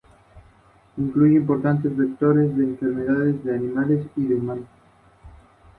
Al excavar descubrieron un nicho forrado de mármol blanco, que contenía huesos.